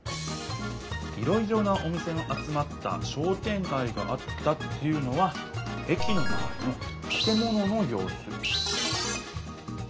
「いろいろなお店の集まった『商店がい』があった」っていうのは駅のまわりのたて物のようす。